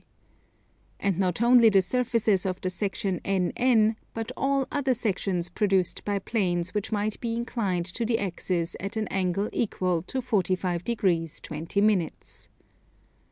And not only the surfaces of the section NN but all other sections produced by planes which might be inclined to the axis at an angle equal to 45 degrees 20 minutes.